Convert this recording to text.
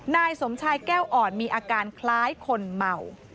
นายสมชายแก้วอ่อนมีอาการคล้ายคนเมา